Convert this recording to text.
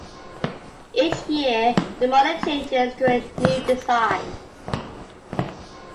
Each year, the model changes to a new design.